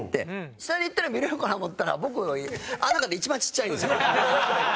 下に行ったら見れるかなと思ったら僕あの中で一番ちっちゃいんですよ。